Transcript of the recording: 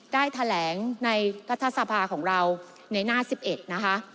ได้แถลงในรัฐสภาของเราในหน้า๑๑นะคะ